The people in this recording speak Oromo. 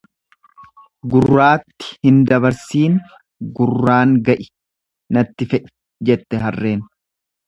Gurraatti hin dabarsiin gurraan ga'i natti fe'i, jette harreen.